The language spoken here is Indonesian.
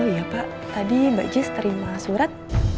iya pak tadi mbak jis terima surat